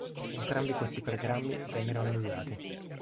Entrambi questi programmi vennero annullati.